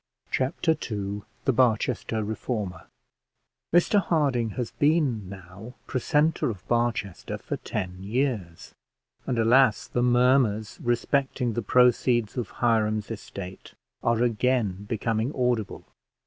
Chapter II THE BARCHESTER REFORMER Mr Harding has been now precentor of Barchester for ten years; and, alas, the murmurs respecting the proceeds of Hiram's estate are again becoming audible.